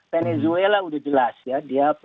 venezuela udah jelas ya